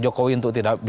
jokowi itu tidak berhenti